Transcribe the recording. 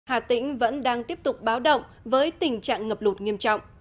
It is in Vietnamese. hà tĩnh vẫn đang tiếp tục báo động với tình trạng ngập lụt nghiêm trọng